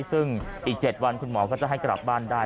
ซึ่งอีก๗วันคุณหมอก็จะให้กลับบ้านได้